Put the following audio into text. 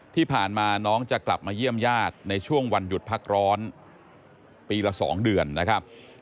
ที่ผ่านมาน้องจะกลับมาเยี่ยมญาติในช่วงวันหยุดพักร้อนปีละ๒เดือนนะครับ